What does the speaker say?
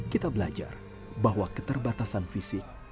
kita belajar bahwa keterbatasan fisik